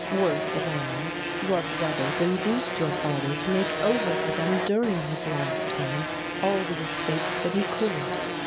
Worst of all, your brothers induced your father to make over to them during his lifetime, all the estates that he could.